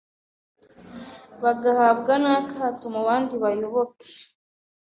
bagahabwa n’akato mubandi bayoboke